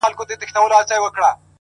o د غم شپيلۍ راپسي مه ږغـوه؛